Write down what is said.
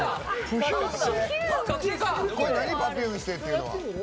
これ何「パピューンして！」っていうのは。